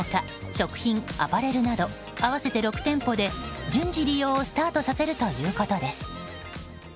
食品、アパレルなど合わせて６店舗で順次、利用をスタートさせるということです。